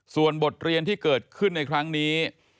ส่วนบทเรียนที่เกิดขึ้นในครั้งนี้